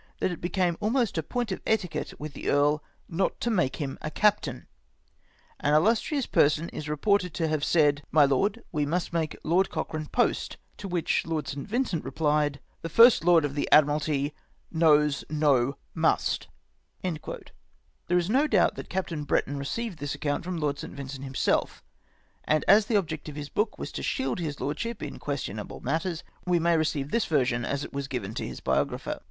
that it became almost a point of etiquette with the earl not to make him a captain ! An illustrious person is reported to have said, ' My Lord, we must make Lord Cochrane " post;" ' to which Lord St. Vincent replied, ' The Fu^st Lord of the Admiralty knows no must' " There is no doubt that Captain Brenton received this account from Lord St. Vincent himself, and as the object of his book was to shield his lordship in ques 140 LETTER FROM MY FATHER TO LORD ST. YIXCENT, tionable matters, we may receive this version as it was given to Ins biographer.